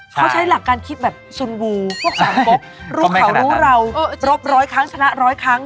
เขาใช้หลักการคิดแบบสุนวูพวกสามกกรู้เขารู้เรารบร้อยครั้งชนะร้อยครั้ง